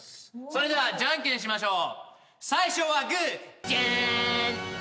それではじゃんけんしましょう。